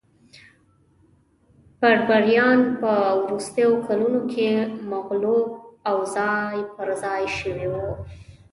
بربریان په وروستیو کلونو کې مغلوب او ځای پرځای شوي وو